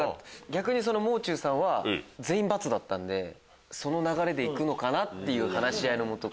逆に「もう中」さんは全員バツだったんでその流れで行くのかなっていう話し合いの下。